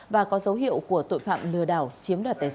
và có dấu hiệu của tội phạm lừa đảo chiếm đoạt tài sản